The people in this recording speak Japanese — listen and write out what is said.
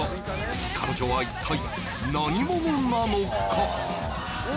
彼女は一体何者なのか？